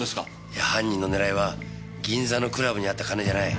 いや犯人の狙いは銀座のクラブにあった金じゃない。